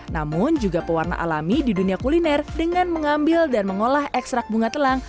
namun juga pewarna alami di dunia kuliner dengan mengambil dan mengolah ekstrak bunga telang